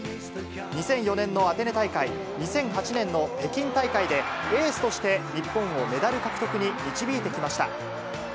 ２００４年のアテネ大会、２００８年の北京大会で、エースとして日本をメダル獲得に導いてきました。